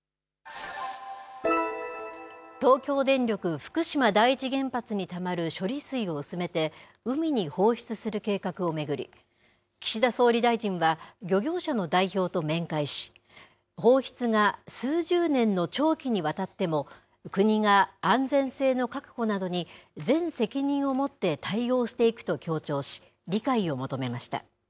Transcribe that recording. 東京電力福島第一原発にたまる処理水を薄めて海に放出する計画を巡り、岸田総理大臣は漁業者の代表と面会し、放出が数十年の長期にわたっても、国が安全性の確保などに全責任を持って対応していくと強調し、理解を求めました。